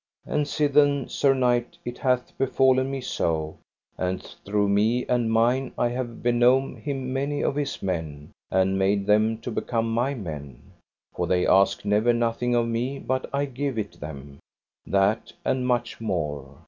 And sithen, sir knight, it hath befallen me so, and through me and mine I have benome him many of his men, and made them to become my men. For they ask never nothing of me but I give it them, that and much more.